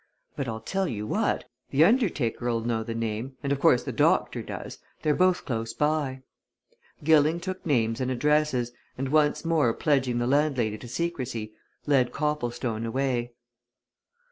But I'll tell you what the undertaker'll know the name, and of course the doctor does. They're both close by." Gilling took names and addresses and once more pledging the landlady to secrecy, led Copplestone away.